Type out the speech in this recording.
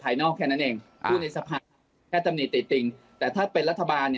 ภายนอกแค่นั้นเองผู้ในสะพานแค่ตำนีติดติ่งแต่ถ้าเป็นรัฐบาล